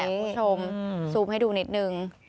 คุณผู้ชมซูมให้ดูนิดนึง